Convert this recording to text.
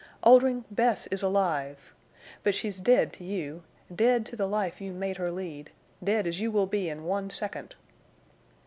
_"Oldring, Bess is alive! But she's dead to you—dead to the life you made her lead—dead as you will be in one second!"